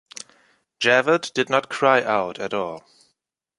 Javert did not cry out at all.